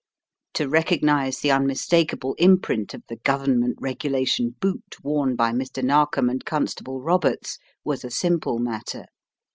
To recognize the unmis takable imprint of the Government Regulation boot worn by Mr. Narkom and Constable Roberts was a simple matter.